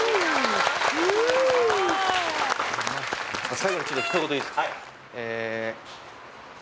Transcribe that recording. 最後にちょっと一言いいですか？